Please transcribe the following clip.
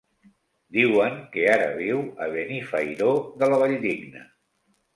Diuen que ara viu a Benifairó de la Valldigna.